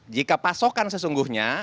jika pasokan sesungguhnya